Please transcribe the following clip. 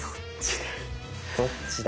どっちだ？